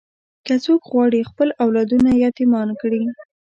که څوک غواړي خپل اولادونه یتیمان کړي.